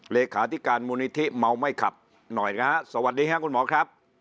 เลขาธิการมูลนิธิเมาไม่ขับหน่อยนะฮะสวัสดีครับคุณหมอครับ